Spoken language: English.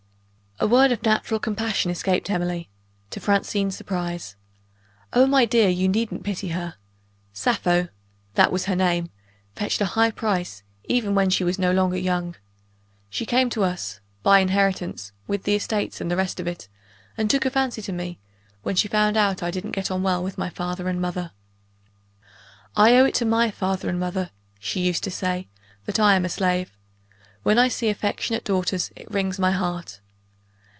A word of natural compassion escaped Emily to Francine's surprise. "Oh, my dear, you needn't pity her! Sappho (that was her name) fetched a high price, even when she was no longer young. She came to us, by inheritance, with the estates and the rest of it; and took a fancy to me, when she found out I didn't get on well with my father and mother. 'I owe it to my father and mother,' she used to say, 'that I am a slave. When I see affectionate daughters, it wrings my heart.